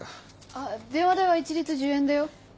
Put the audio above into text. あっ電話代は一律１０円だよ。